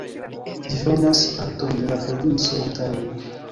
Ĝi formas parton de la provinco Ontario.